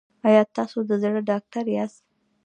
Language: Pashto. ایا تاسو د زړه ډاکټر یاست؟